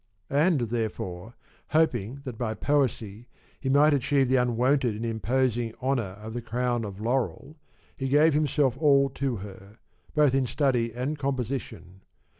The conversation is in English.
And therefore, hoping that by poesy he might achieve the unwonted and imposing honour of the crown of laurel, he gave himself all to her, both in study and composition.